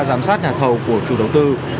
giám sát nhà thầu của chủ đầu tư